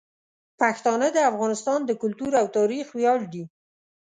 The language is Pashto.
پښتانه د افغانستان د کلتور او تاریخ ویاړ دي.